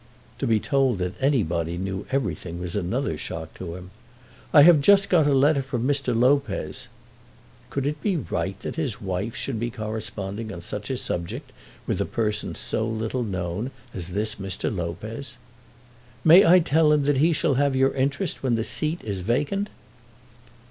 To be told that any body knew everything was another shock to him. "I have just got a letter from Mr. Lopez." Could it be right that his wife should be corresponding on such a subject with a person so little known as this Mr. Lopez? "May I tell him that he shall have your interest when the seat is vacant?"